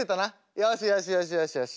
よしよしよしよしよし。